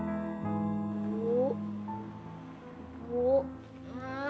arpan belum bayaran